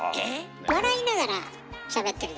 笑いながらしゃべってるでしょ？